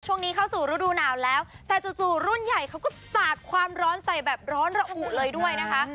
ช่วงนี้เข้าสู่ฤดูหนาวแล้วแต่จู่รุ่นใหญ่เขาก็สาดความร้อนใส่แบบร้อนระอุเลยด้วยนะคะ